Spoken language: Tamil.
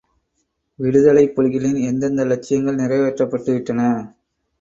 விடுதலைப் புலிகளின் எந்தெந்த லட்சியங்கள் நிறைவேற்றப் பட்டுவிட்டன.